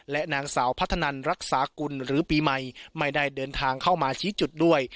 และนางสาวพัฒนันรักษากุลหรือปีใหม่ไม่ได้เดินทางเข้ามาชี้จุดด้วย